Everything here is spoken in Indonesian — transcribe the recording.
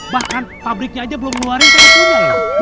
bahkan pabriknya aja belum ngeluarin teleponnya ya